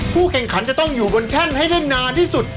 แข่งขันจะต้องอยู่บนแท่นให้ได้นานที่สุด